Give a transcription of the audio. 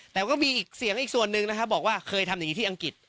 แต่ก็มีอีกเสียงอีกส่วนหนึ่งนะครับบอกว่าเคยทำอย่างนี้ที่อังกฤษ